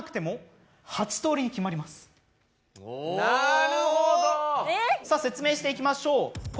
えっ⁉さぁ説明していきましょう。